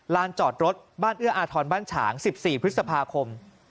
จอดรถบ้านเอื้ออาทรบ้านฉาง๑๔พฤษภาคม